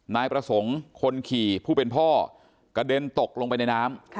นายประสงค์คนขี่ผู้เป็นพ่อกระเด็นตกลงไปในน้ำ